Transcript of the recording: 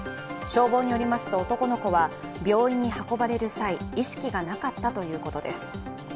消防によりますと男の子は病院に運ばれる際意識がなかったということです。